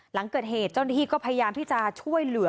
หลังเกิดเหตุเจ้าหน้าที่ก็พยายามที่จะช่วยเหลือ